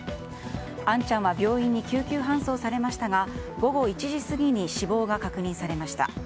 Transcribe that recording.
杏ちゃんは病院に救急搬送されましたが午後１時過ぎに死亡が確認されました。